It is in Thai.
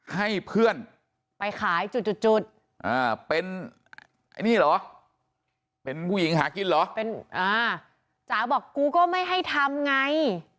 ให้เพื่อนไปขายจุดจุดเป็นไอ้นี่เหรอเป็นผู้หญิงหากินเหรอจ๋าบอกกูก็ไม่ให้ทำไง